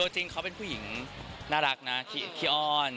จริงเขาเป็นผู้หญิงน่ารักนะขี้อ้อน